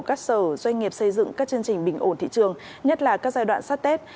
các sở doanh nghiệp xây dựng các chương trình bình ổn thị trường nhất là các giai đoạn sát tết